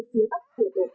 phía bắc của đội quốc